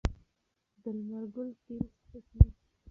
د لمر ګل تېل سپک وي.